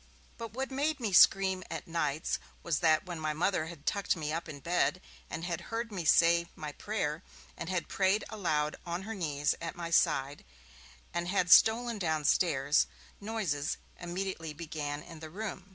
But what made me scream at nights was that when my Mother had tucked me up in bed, and had heard me say my prayer, and had prayed aloud on her knees at my side, and had stolen downstairs noises immediately began in the room.